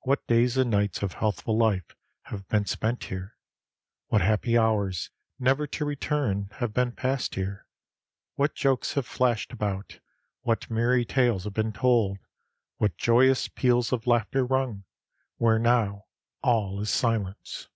What days and nights of healthful life have been spent here. What happy hours, never to return, have been passed here. What jokes have flashed about, what merry tales have been told, what joyous peals of laughter rung, where now all is silence.